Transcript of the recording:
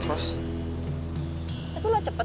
gak ada yang mau nanya